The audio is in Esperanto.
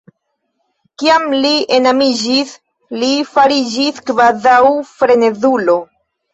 Kiam li enamiĝis, li fariĝis kvazaŭ frenezulo.